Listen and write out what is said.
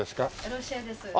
ロシアです。